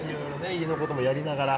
家のことともやりながら。